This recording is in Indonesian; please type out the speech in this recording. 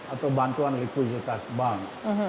atau bantuan liku juta bank